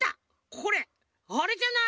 これあれじゃない？